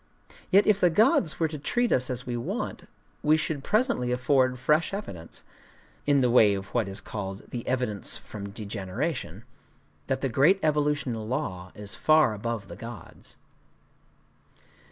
Yet if the gods were to treat us as we want, we should presently afford fresh evidence,—in the way of what is called "the evidence from degeneration,"—that the great evolutional law is far above the gods.